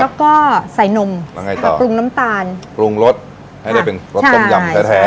แล้วก็ใส่นมยังไงต่อปรุงน้ำตาลปรุงรสให้ได้เป็นรสต้มยำแท้แท้